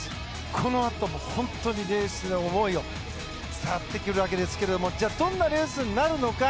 このあとも本当にレースへの思いが伝わってくるわけですがどんなレースになるのか。